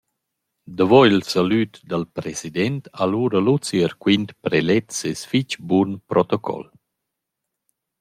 Davo il salüd dal president ha lura Luzi Arquint prelet seis fich bun protocol.